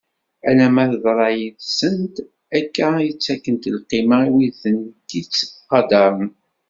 Alamma teḍra yid-sent akka i ttakent lqima i wid i tent-itt-qadaren.